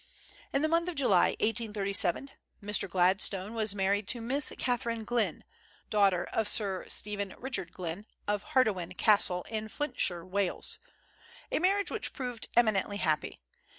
In the month of July, 1837, Mr. Gladstone was married to Miss Catherine Glyn, daughter of Sir Stephen Richard Glyn, of Hawarden Castle, in Flintshire, Wales, a marriage which proved eminently happy.